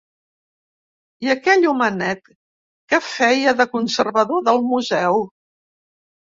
I aquell homenet que feia de conservador del museu